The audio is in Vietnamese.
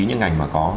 những ngành mà có